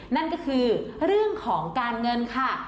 นั่นก็คือเรื่องของการเงินค่ะ